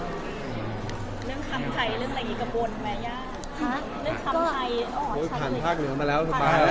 เรื่องคำไทยเรื่องแบบนี้กระบวนไหมย่าเรื่องคำไทยโอ้ยผ่านภาคเหนือมาแล้วผ่านภาคเหนือ